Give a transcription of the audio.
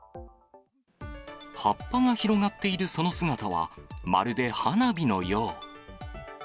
葉っぱが広がっているその姿は、まるで花火のよう。